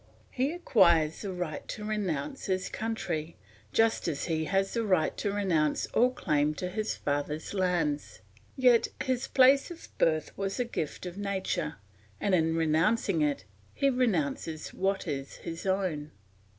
He acquires the right to renounce his country, just as he has the right to renounce all claim to his father's lands; yet his place of birth was a gift of nature, and in renouncing it, he renounces what is his own.